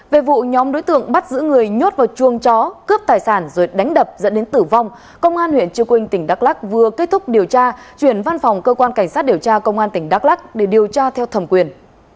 về vụ nhóm đối tượng bắt giữ người nhốt vào chuông chó cướp tài sản rồi đánh đập dẫn đến tử vong công an huyện trư quynh tỉnh đắk lắc vừa kết thúc điều tra chuyển văn phòng cơ quan cảnh sát điều tra công an tỉnh đắk lắc để điều tra theo thẩm quyền